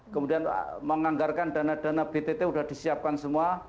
kemudian menganggarkan dana dana btt sudah disiapkan semua